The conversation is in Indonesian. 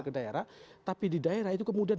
ke daerah tapi di daerah itu kemudian